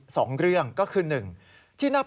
สองเรื่องก็คือหนึ่งที่นับ